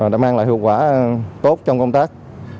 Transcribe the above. đã mang lại hữu quả tốt trong công tác